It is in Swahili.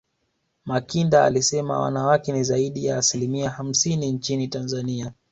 makinda alisema wanawake ni zaidi ya asilimia hamsini nchini tanzania